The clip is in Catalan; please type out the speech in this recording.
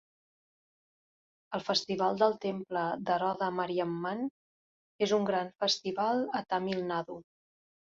El festival del temple d'Erode Mariamman és un gran festival a Tamil Nadu.